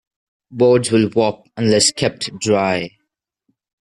Boards will warp unless kept dry.